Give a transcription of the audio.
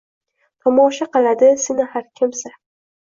Tomosha qiladi seni har kimsa